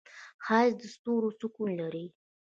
ښایست د ستورو سکون لري